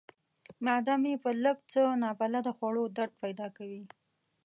معده مو په لږ څه نابلده خوړو درد پیدا کوي.